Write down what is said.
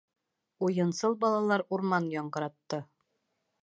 Уйынсыл балалар урман яңғыратты: